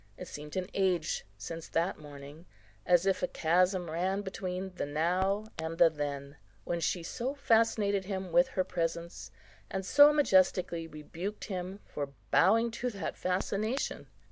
It seemed an age since that morning, as if a chasm ran between the now and the then, when she so fascinated him with her presence, and so majestically rebuked him for bowing to that fascination.